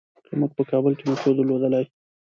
که مونږ په کابل کې میټرو درلودلای.